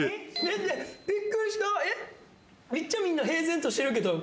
めっちゃみんな平然としてるけど。